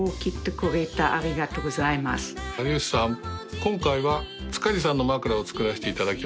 今回は塚地さんの枕を作らせていただきました。